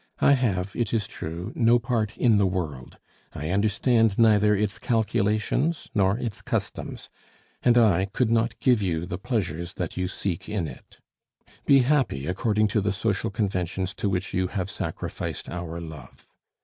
I have, it is true, no part in the world; I understand neither its calculations nor its customs; and I could not give you the pleasures that you seek in it. Be happy, according to the social conventions to which you have sacrificed our love.